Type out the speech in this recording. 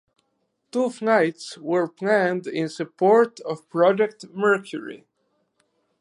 Two flights were planned in support of Project Mercury.